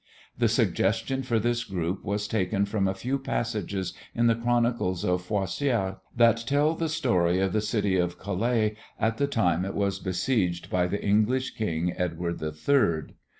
The suggestion for this group was taken from a few passages in the chronicles of Froissart that tell the story of the City of Calais at the time it was besieged by the English king, Edward the Third.